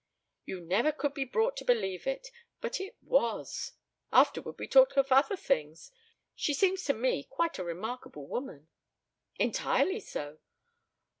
"You never could be brought to believe it, but it was. Afterward, we talked of other things. She seems to me quite a remarkable woman." "Entirely so.